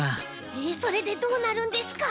えそれでどうなるんですか？